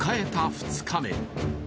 ２日目。